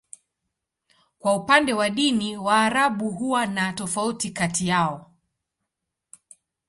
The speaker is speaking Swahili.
Kwa upande wa dini, Waarabu huwa na tofauti kati yao.